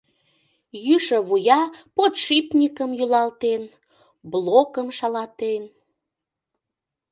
Йӱшӧ вуя подшипникым йӱлатен, блокым шалатен.